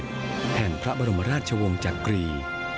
แทนพระบรมราชวงศ์จักรี